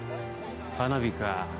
花火か。